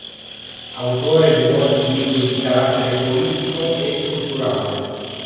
Autore di molti libri di carattere politico e culturale.